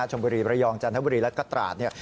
ชมบุรีระยองจันทบุรีแล้วก็ตราดเนี่ย